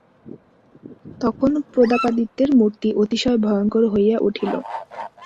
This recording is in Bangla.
তখন প্রতাপাদিত্যের মূর্তি অতিশয় ভয়ংকর হইয়া উঠিল।